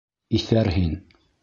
Иҫәр һин.